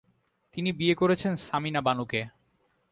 তিনি বিয়ে করেছেন সামিনা বানুকে।